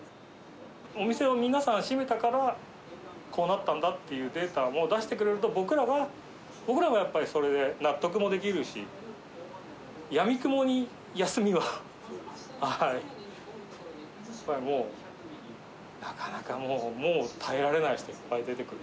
お店を皆さん閉めたから、こうなったんだっていうデータも出してくれると、僕らは、僕らはやっぱり、それで納得もできるし、やみくもに休みは、もう、なかなかもう耐えられない人、いっぱい出てくる。